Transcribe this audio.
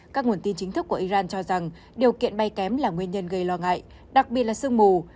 các nguồn tin chính thức của iran cho rằng điều kiện bay kém là nguyên nhân gây lo ngại đặc biệt là sương mù